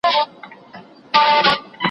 نور ئې نور، عثمان ته لا هم غورځېدى.